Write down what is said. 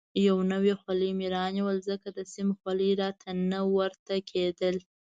یو نوی خولۍ مې رانیول، ځکه د سیم خولۍ راته نه ورته کېده.